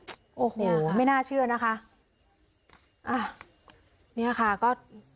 โอ้โหไม่น่าเชื่อนะคะอ่ะเนี่ยค่ะก็